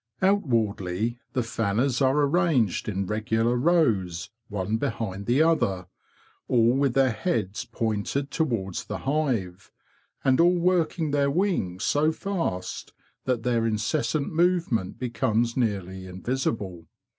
Out wardly, the fanners are arranged in regular rows, one behind the other, all with their heads pointed towards the hive, and all working their wings so fast that their incessant movement becomes nearly invisible.